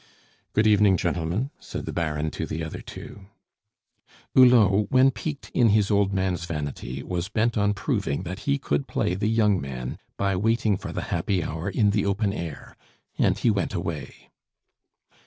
"Good evening, gentlemen," said the Baron to the other two. Hulot, when piqued in his old man's vanity, was bent on proving that he could play the young man by waiting for the happy hour in the open air, and he went away.